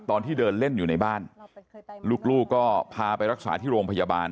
ตอนที่เดินเล่นอยู่ในบ้านลูกก็พาไปรักษาที่โรงพยาบาล